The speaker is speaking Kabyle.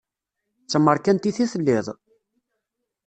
D tamerkantit i telliḍ?